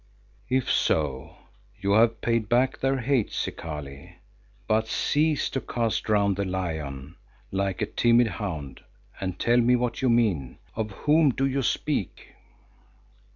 "If so, you have paid back their hate, Zikali, but cease to cast round the lion, like a timid hound, and tell me what you mean. Of whom do you speak?"